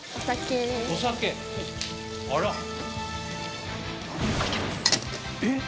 あら。